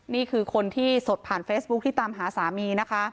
นี่คือคนที่สดผ่านเฟซบุ๊คที่ตามหาสามีนะคะ